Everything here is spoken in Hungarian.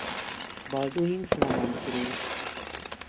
Balduin flamand gróf.